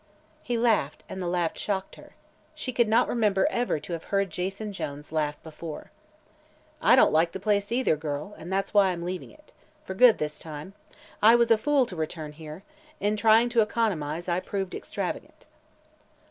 He laughed, and the laugh shocked her. She could not remember ever to have heard Jason Jones laugh before. "I don't like the place, either, girl, and that's why I'm leaving it. For good, this time. I was a fool to return here. In trying to economise, I proved extravagant."